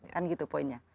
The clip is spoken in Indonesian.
kan gitu poinnya